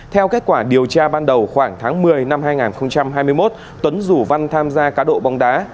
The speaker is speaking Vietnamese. theo kết quả điều tra ban đầu khoảng tháng một mươi năm hai nghìn hai mươi một tuấn rủ văn tham gia cá độ bóng đá